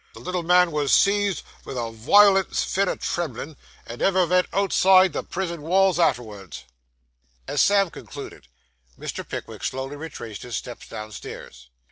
The little man was seized vith a wiolent fit o' tremblin', and never vent outside the prison walls artervards!' As Sam concluded, Mr. Pickwick slowly retraced his steps downstairs.